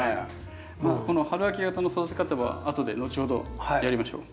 まあこの春秋型の育て方は後で後ほどやりましょう。